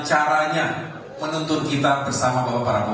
partai demokrat tetap menjadi bagian dari koalisi yang lama